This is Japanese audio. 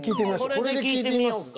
これで聞いてみようか。